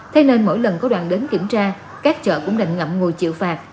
thế nên mỗi lần có đoàn đến kiểm tra các chợ cũng định ngậm ngồi chịu phạt